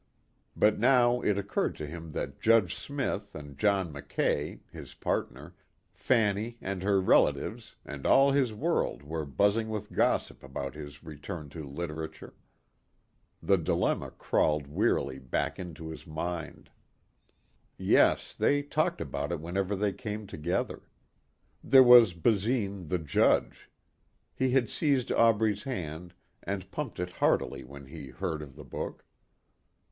But now it occurred to him that Judge Smith and John Mackay, his partner, Fanny and her relatives and all his world were buzzing with gossip about his return to literature. The dilemma crawled wearily back into his mind. Yes, they talked about it whenever they came together. There was Basine, the judge. He had seized Aubrey's hand and pumped it heartily when he heard of the book.